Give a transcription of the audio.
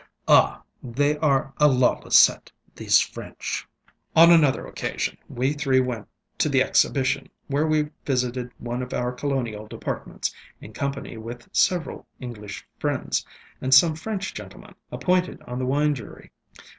Ah! they are a lawless set, these French. ŌĆ£On another occasion we three went to the Exhibition, where we visited one of our colonial departments, in company with several English friends, and some French gentlemen appointed on the wine jury.